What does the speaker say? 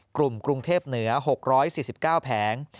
กลุ่มกรุงเทพเหนือ๖๔๙แผง